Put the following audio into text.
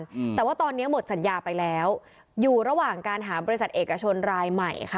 อืมแต่ว่าตอนเนี้ยหมดสัญญาไปแล้วอยู่ระหว่างการหาบริษัทเอกชนรายใหม่ค่ะ